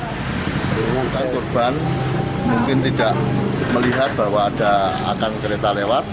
korban mungkin tidak melihat bahwa ada akan kereta lewat